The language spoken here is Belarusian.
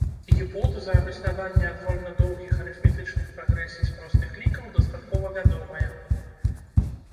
Гіпотэза аб існаванні адвольна доўгіх арыфметычных прагрэсій з простых лікаў дастаткова вядомая.